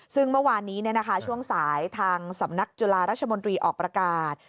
ซึ่งเมื่อวานนี้ช่วงสายทางสำนักจุฬาราชมนตรีออกประกาศ